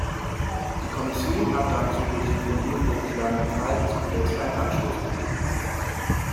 Die Kommission hat dazu durch den von ihr vorgeschlagenen Verhaltenskodex einen Anstoß gegeben.